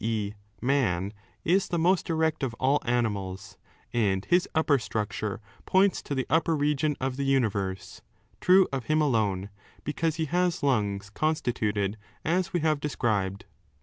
e, man, is the most erect of all animals, and his upper structure points to the upper r^on of the universe — true of him alone — because he has lungs constituted as we have described.